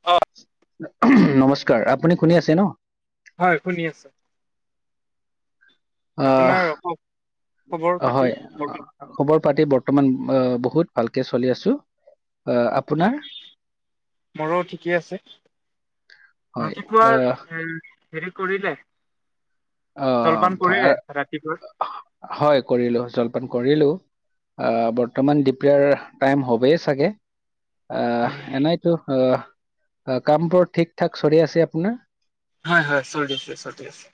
অ ওমহ নমস্কাৰ আপুনি শুনি আছে ন‌‌? হয় শুনি আছো আহ, আপোনাৰ ৰখক, হয় অ, খবৰ পাতি বৰ্তমান আহ বহুত ভালকে চলি আছো আহ আপোনাৰ। মোৰো ঠিকেই আছে হয় ৰাতিপুৱাৰ আহ, এ হেৰি কৰিলে আহ, জলপান কৰিলে ভা- ৰাতিপুৱা হয় কৰিলো জলপান কৰিলো অ বৰ্তমান দুপৰীয়াৰ টাইম হবই চাগে। আহ এনাইতো অ কামবোৰ ঠিক ঠাক চলি আছে আপোনাৰ। হয় হয় চলি আছে চলি আছে।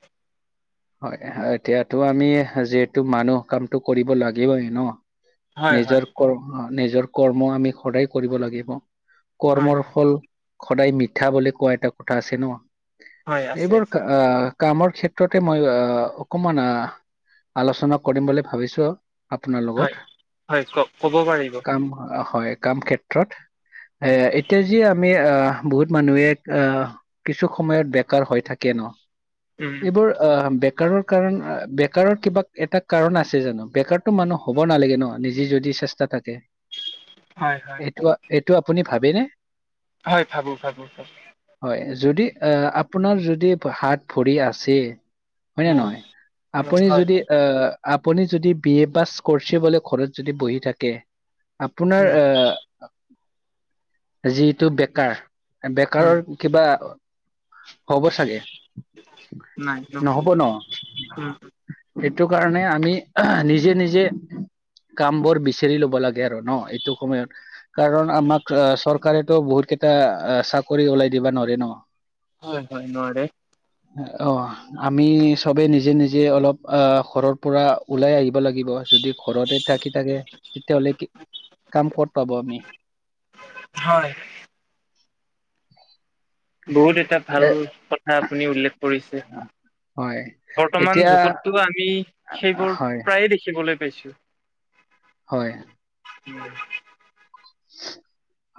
হয় এতিয়াতো আমি যিহেতু মানুহ কামটো কৰিব লাগিবই ন, হয় হয় নিজৰ ক নিজৰ কৰ্ম আমি সদায় কৰিব লাগিব। হয় কৰ্মৰ হয় ফল সদায় মিঠা বুলি কোৱা এটা কথা আছে ন। হয় আছে এইবোৰ আছে আহ কামৰ ক্ষেত্ৰ ক্ষেত্ৰতে মই আহ অকমান আহ আলোচনা কৰিম বুলি ভাবিছো, আপোনাৰ হয় লগত হয় ক ক'ব পাৰিব কাম হয় কাম ক্ষেত্ৰ ক্ষেত্ৰত এ উম এতিয়া যি, আমি অ বহুত মানুহে অ কিছু সময়ত বেকাৰ হৈ থাকে ন। উম, এইবোৰ অ বেকাৰৰ কাৰণ বেকাৰৰ কিবা এটা কাৰণ আছে জানো বেকাৰতো মানুহ, হ'ব নালাগে ন নিজে যদি চেষ্টা থাকে। হয় হয় হয় এইটো এইটো আপুনি ভাবেনে? হয় ভাবো ভাবো, হয় যদি আহ আপোনাৰ যদি হাত ভৰি আছে। হয় নে উম, নহয় উম, আপুনি হয় যদি হয় আহ, আপুনি যদি বি এ পাছ কৰিছে বোলে ঘৰত যদি বহি থাকে। আপোনাৰ উম আ যিটো বেকাৰ। উম বেকাৰৰ কিবা হব চাগে। নহব ন। উম সেইটো কাৰণে আমি নিজে নিজে। কাম বোৰ বিচাৰি লব লাগে আৰু ন এইটো সময়ত। কাৰণ আমাক চৰকাৰেতো বহুত কেইটা চাকৰি ওলাই দিবা নৱাৰে ন। হয় হয় নোৱাৰে। অ আমি চবে নিজে নিজে অলপ আহ ঘৰৰ পৰা ওলাই আহিব লাগিব যদি ঘৰতে, তাকে তাকে তেতিয়াহ'লে কি কাম ক'ত পাব আমি। হয়, বহুত এটা এ ভাল কথা আপুনি উল্লেখ কৰিছে। হয়, বৰ্তমান এতিয়া যুগতো আমি সেইবোৰ হয়, প্ৰায়ে দেখিবলৈ পাইছো। হয়। [unintelligible]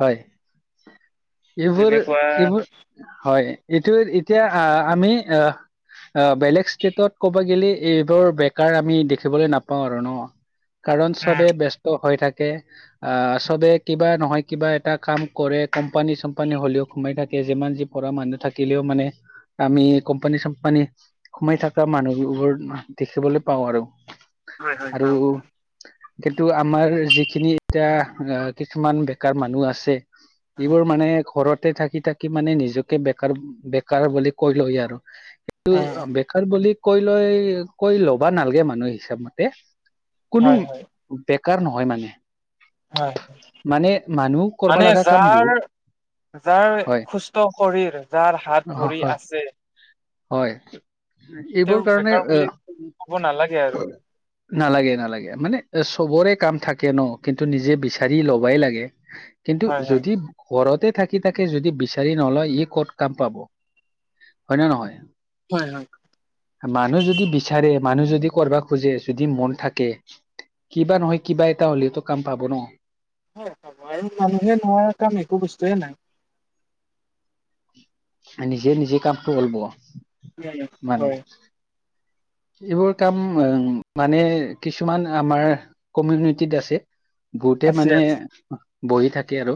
হয় এইবোৰ তেনেকুৱা এইবোৰ। হয় এইটো এতিয়া আ আমি আহ। অ বেলেগ ষ্টেটত ক'ব গেলে এইবোৰ বেকাৰ আমি দেখিবলৈ নাপাওঁ আৰু ন। কাৰণ উম, চবে ব্যস্ত হৈ থাকে আ চবে। কিবা নহয় কিবা এটা কাম কৰে কোম্পানী চম্পানী হ'লেও সোমাই থাকে যিমান যি পঢ়া মানুহ থাকিলেও মানে। আমি কোম্পানী চোম্পানী। সোমাই থাকা মানুহবোৰ দেখিবলৈ পাওঁ আৰু হয় হয় আৰু পাওঁ। কিন্তু আমাৰ যিখিনি এতিয়া আ, কিছুমান বেকাৰ মানুহ আছে এইবোৰ মানে ঘৰতে থাকি থাকি, কি মানে নিজকে বেকাৰ বেকাৰ বুলি কৈ লয় আৰু কিন্তু, উম, কাৰ বুলি কৈ লৈ কৈ ল'বা নালগে মানুহ হিচাপমতে, কোনো হয় হয় বেকাৰ নহয় মানে। হয়। মানে মানুহ কৰবা মানে লাগা কাম যাৰ বহুত। যাৰ হয় সুস্থ শৰীৰ যাৰ হাত অ ভৰি হয় আছে। হয় তেওঁ এইবোৰ কাৰণে বেকাৰ এ বুলি ক'ব নালাগে আৰু নালাগে নালাগে মানে চবৰে কাম থাকে ন কিন্তু নিজে বেচি, চাৰি ল'বাই লাগে কিন্তু হয় হয়। যদি। ঘৰতে থাকি তাকে যদি বিচাৰি নলয় ই ক'ত কাম পাব! হয় নে নহয়? হয় হয়। মানুহ যদি বিচাৰে, মানুহ যদি কৰবা খোজে, যদি মন থাকে! কিবা নহয় কিবা এটা হ'লেওটো কাম পাব ন! [inaudible] হয় আৰু মানুহে নোৱাৰা কাম একো বস্তুয়ে নাই। নিজে নিজে কামটো কৰিব। উম হয়। এইবোৰ কাম মানে, কিছুমান আমাৰ কমিউনিটিত আছে। বহুতে আছে মানে আছে বহি থাকে আৰু!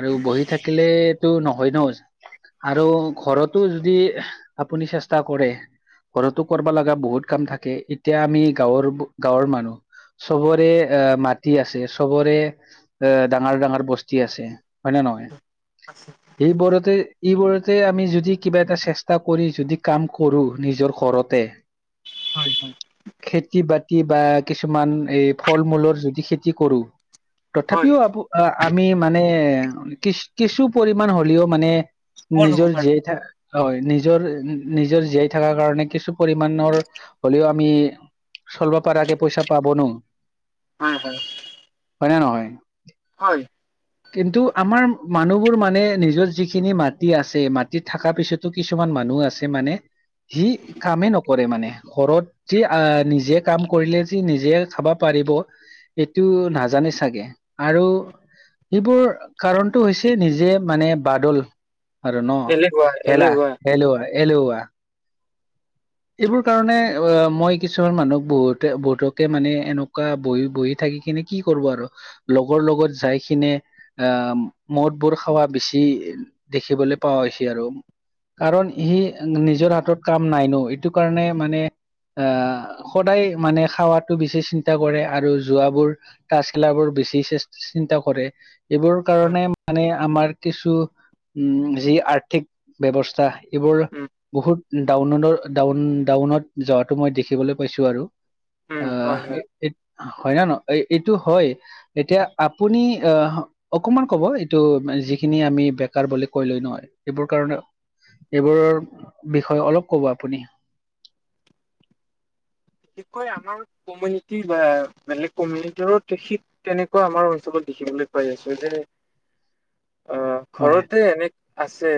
আৰু বহি থাকিলেতো নহয় ন! আৰু ঘৰতো যদি আপুনি চেষ্টা কৰে, ঘৰতো কৰবা লগা। বহুত কাম থাকে, এতিয়া আমি গাঁৱৰ-গাঁৱৰ মানুহ। চবৰে আ মাটি আছে, চবৰে। এ ডাঙৰ ডাঙৰ বস্তি আছে। হয় নে নহয়? আছে। সেবোৰতে, এইবোৰতে আমি যদি কিবা এটা চেষ্টা কৰি যদি কাম কৰো! নিজৰ ঘৰতে। হয় হয়। খেতি-বাতি বা কিছুমান এই ফল-মূলৰ যদি খেতি কৰো! হয় তথাপিও হয় আ-আমি মানে কি-কিছু পৰিমাণ হ'লেও মানে সফল হ'ব নিজৰ পাৰো জীয়াই থাকা, হয়, নিজৰ নিজৰ জীয়াই থাকা কাৰণে কিছু পৰিমাণে মানৰ হ'লেও আমি চলব পাৰাকে পইচা পাব ন! হয় হয়। হয় নে নহয়? হয়। কিন্তু, আমাৰ মানুহবোৰ মানে নিজৰ যিখিনি মাটি আছে, মাটিত থাকা পিছত। তো কিছুমান মানুহ আছে মানে, সি কামে নক কৰে মানে। ঘৰত যি আ নিজে কাম কৰিলে যে নিজে খাব পাৰিব! সেইটো নাজানে চাগে! আৰু সেবোৰ কাৰণটো হৈছে নিজে মানে, বাদোল। আৰু ন? এলেহুৱা হেলা, এলেহুৱা হেলুৱই, এলেহুৱা। এইবোৰ কাৰণে অ মই কিছুমান মানুহক বহুতে, বহুতকে মানে এনেকুৱা বহি বহি থাকি কিনে কি কৰব আৰু! লগৰ লগত যাই কিনে আ মদবোৰ খোৱা বেছি দেখিবলৈ পোৱা হৈছে আৰু! কাৰণ সি নিজৰ হাতত কাম নাই ন? এইটোকাৰণে মানে আ, সদায় মানে খাৱাতো বেছি চিন্তা কৰে, আৰু যোৱাবোৰ তাছ খেলাবোৰ বেছি চিন্তা কৰে, এইবোৰ হয় কাৰণে মানে আমাৰ কিছু, উম, যি আৰ্থিক ব্যৱস্থা এইবোৰ উম বহুত ডাউনোদৰ ডাউন-ডাউনত যোৱাটো মই দেখিবলৈ পাইছো আৰু! আ উম হয় হয়। হয় নে ন? এইটো হয়, এতিয়া আপুনি আহ অকমান ক'ব। এইটো যিখিনি আমি বেকাৰ বুলি কৈ লয় ন! সেইবোৰ কাৰণে এইবোৰৰ বিষয়ে অলপ ক'ব আপুনি। বিশেষকৈ আমাৰ কমিউনিটি বা বেলেগ কমিউনিটিৰত শিক কেনেকুৱা আমাৰ অঞ্চলত দেখিবলৈ পাই আছো যে [inaudible] অ' হয়। ঘৰতে এনে আছে,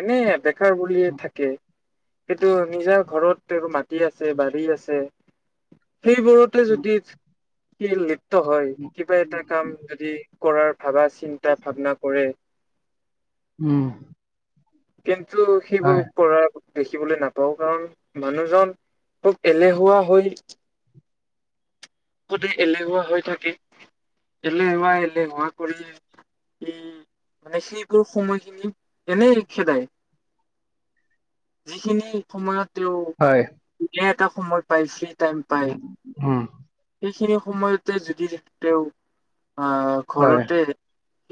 এনে ইয়াতে নিজৰ বুলিয়ে থাকে, সেইটো নিজা ঘৰত তেওঁৰ মাটি আছে। বাৰী আছে। সেইবোৰতে যদি হয় কিবা এটা কাম যদি কৰাৰ ভাবা চিন্তা ভাৱনা কৰে উম কিন্তু সেইবোৰ হয়, কৰাৰ দেখিবলৈ নাপাওঁ কাৰণ মানুহজন খুব এলেহুৱা হৈ গোটেই এলেহুৱা হৈ থাকে এলেহুৱা এলেহুৱা কৰি উম মানে সেইবোৰ সময়খিনি এনেই খেদায় যিখিনি সময়ত তেওঁ হয় সুকিয়া এটা সময় পাইছে উম সেইখিনি সময়তে যদি তেওঁ আহ হয়, ঘৰতে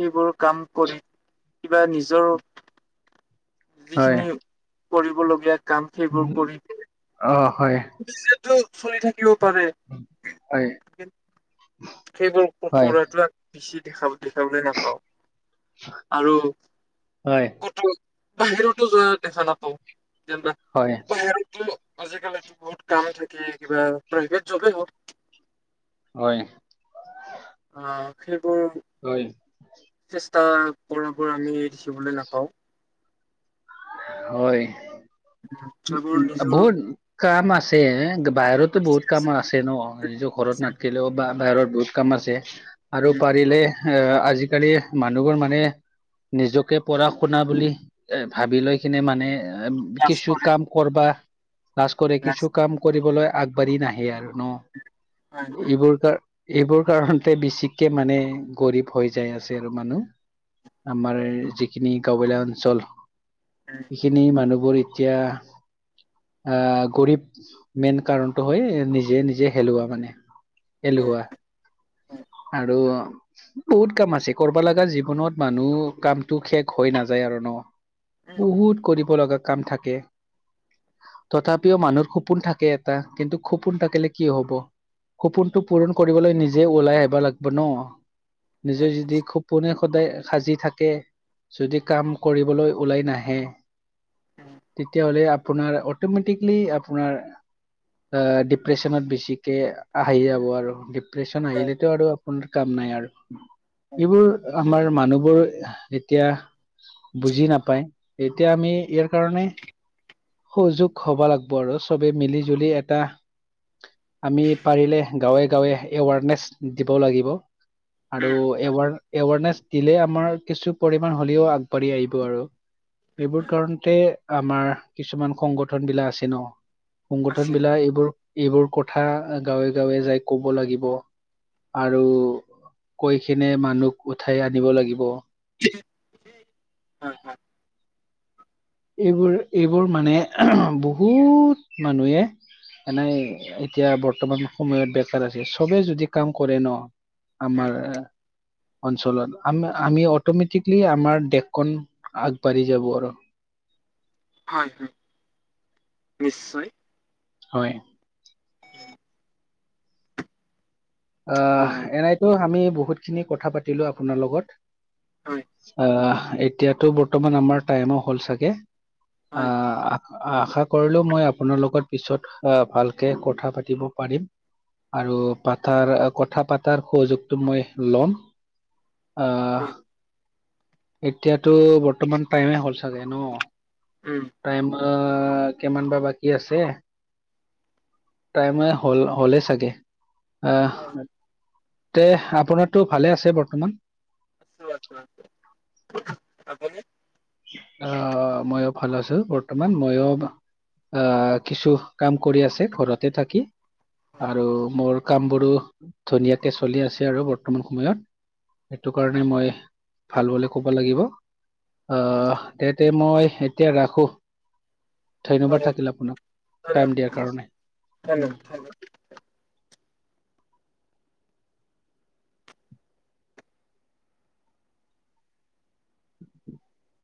এইবোৰ কাম কৰি কিবা নিজৰ হয়, যিখিনি কৰিবলগীয়া কাম সেইবোৰ উম, কৰি অ', হয়, নিজেতো চলি থাকিব পাৰে হয় সেইবোৰ হয়, কৰা টোৱে ইয়াক বেছি দেখা দেখাবলৈ নাপাওঁ আৰু হয়, কতো বাহিৰতো যোৱা দেখা নাপাওঁ যেনবা হয়, বাহিৰত টো আজিকালি বহুত কাম থাকে কিবা প্ৰাইভেট জবে হওক হয় অ সেইবোৰ হয় চেষ্টা কৰা কৰা আমি দেখিবলৈ নাপাওঁ, হয় উম সেইবোৰ নিজৰ বহুত কাম আছে বাহিৰতো বহুত কাম আছে ন নিজৰ ঘৰত আছে, নাথাকিলেও বা বাহিৰত বহুত কাম আছে আৰু উম, পাৰিলে এ আজিকালি মানুহবোৰ মানে নিজকে পঢ়া শুনা বুলি এ ভাবি লৈ কিনে মানে এ লাজ কিছু কৰে কাম কৰবা লাজ কৰে কিছু কাম কৰিবলৈ আগবাঢ়ি নাহে আৰু ন হয় হয় এইবোৰ কাৰ এইবোৰ কাৰণতে বেছিকে মানে গৰীব হৈ যাই আছে আৰু মানুহ আমাৰ যিখিনি গাঁওবোলীয়া অঞ্চল উম ইখিনি মানুহবোৰ এতিয়া, আহ গৰীব মেইন কাৰণটো হয় নিজে নিজে হেলোৱা মানে, হয় এলেহুৱা হয় আৰু, বহুত কাম আছে কৰবা লগা জীৱনত মানুহ কামটো শেষ হৈ নাযায় আৰু ন, উম বহুত কৰিব লগা কাম থাকে, তথাপিও মানুৰ সপোন থাকে এটা কিন্তু সপোন থাকিলে কি হব, সপোনটো পূৰণ কৰিবলৈ নিজে ওলাই আহিব লাগব ন নিজে হয় যদি নিশ্চয় খুব, পোনে সদায় সাজি থাকে যদি কাম কৰিবলৈ ওলাই নাহে, তেতিয়াহ'লে আপোনাৰ অটমেটিকলি আপোনাৰ, আ ডিপ্ৰেছনত বেছিকে আহি যাব আৰু, প্ৰেচন উম আহিলেটো আৰু আপোনাৰ কাম নাই আৰু হয় হয় উম এইবোৰ, আমাৰ মানুহবোৰ এতিয়া বুজি নাপায় এতিয়া আমি ইয়াৰ, কাৰণে সুযোগ হব লাগব আৰু চবেই মিলি জুলি এটা, আমি পাৰিলে গাঁৱে গাঁৱে এৱাৰনেছ দিব লাগিব। আৰু এৱাৰ এৱাৰ নেচ, দিলে আমাৰ কিছু পৰিমাণ হ'লেও আগবাঢ়ি আহিব আৰু। এইবোৰ হয় কাৰণতে আমাৰ কিছুমান সংগঠন বিলাক আছে ন হয় আছে সংগঠন বিলাক এইবোৰ, এইবোৰ কথা গাঁৱে গাঁৱে যাই কব লাগিব, আৰু কৈখনে মানুহ উঠাই আনিব লাগিব, [unintelligible] হয় হয় এইবোৰ এইবোৰ মানে বহুত মানুহে এনেই এতিয়া বৰ্তমান সময়ত বেকাৰ আছে চবে যদি কাম কৰে ন উম আমাৰ অঞ্চলত আম আমি অটমেটিকলি আমাৰ দেশখন আগবাঢ়ি যাব আৰ। হয় হয় নিশ্চয়। হয়। অ আহ এনেইতো আমি বহুতখিনি কথা পাতিলো আপোনাৰ লগত। হয় আহ এতিয়াতো বৰ্তমান আমাৰ টাইমো হ'ল চাগে। আ। হয় আশা কৰিলো মই আপোনাৰ লগত পিছত আহ ভালকে কথা পাতিব পাৰিম। আৰু পাত- তাৰ কথা পাতাৰ সুযোগটো মই লম। আহ হয় উম এতিয়াতো বৰ্তমান টাইমে হ'ল চাগে ন। উম। টাইম আ কিমান বা বাকী আছে। টাইম হল হলে চাগে। আহ হয় তে আপোনাৰটো ভালে আছে বৰ্তমান। [unintelligible] অ মইয়ো ভাল আছো বৰ্তমান। মইয়ো আহ কিছু কাম কৰি আছে ঘৰতে থাকি। আৰু মোৰ কাম বোৰো ধুনীয়াকে চলি আছে আৰু বৰ্তমান সময়ত। সেইটো কাৰণে মই ভাল বুলি ক'ব লাগিব। আহ তেতে মই এতিয়া ৰাখো। ধন্যবাদ হয়, থাকিল আপোনাক টাইম ধন্যবাদ দিয়াৰ ধন্যবাদ কাৰণে। উম। ধন্যবাদ। [inaudible]